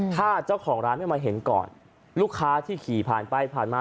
ถ้าเจ้าของร้านไม่มาเห็นก่อนลูกค้าที่ขี่ผ่านไปผ่านมา